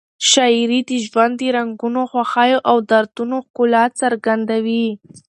شاعري د ژوند د رنګونو، خوښیو او دردونو ښکلا څرګندوي.